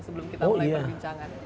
sebelum kita mulai perbincangan